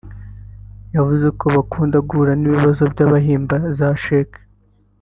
yavuze ko bakunda guhura n’ibibazo by’abahimba za sheki